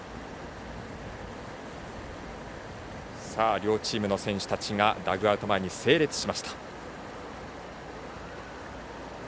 両チームの選手たちがダグアウト前に整列しました。